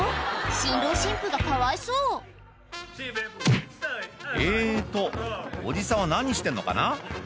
新郎新婦がかわいそうえっとおじさんは何してんのかな？